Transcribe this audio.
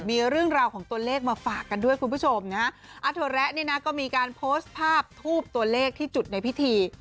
มีเรื่องราวของตัวเลขมาฝากกันด้วยคุณผู้ชมนะฮะอาถวแระเนี่ยนะก็มีการโพสต์ภาพทูบตัวเลขที่จุดในพิธี